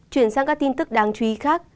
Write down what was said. chuyển sang các tin tức đáng chú ý khác